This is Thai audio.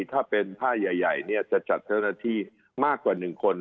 ถ้าเป็นผ้าใหญ่เนี่ยจะจัดเจ้าหน้าที่มากกว่า๑คน